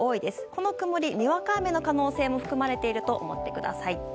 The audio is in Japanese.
この曇り、にわか雨の可能性も含まれていると思ってください。